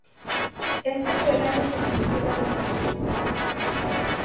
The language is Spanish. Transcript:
Este fue el año en que se inició la reconstrucción.